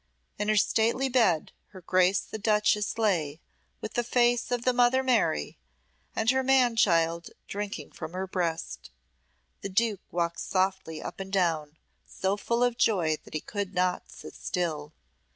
In her stately bed her Grace the duchess lay, with the face of the Mother Mary, and her man child drinking from her breast. The duke walked softly up and down, so full of joy that he could not sit still.